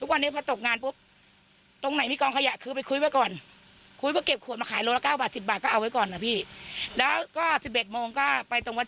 หนูก็คือแบบมันไปทางไหนไม่ได้แล้วซึ่งว่า